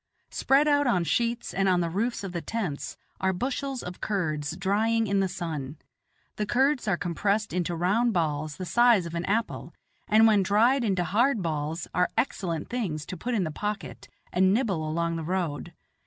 Spread out on sheets and on the roofs of the tents are bushels of curds drying in the sun; the curds are compressed into round balls the size of an apple, and when dried into hard balls are excellent things to put in the pocket and nibble along the road.